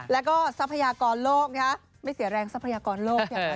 แล้วก็ทรัพยากรโลกไม่เสียแรงทรัพยากรโลกอย่างไร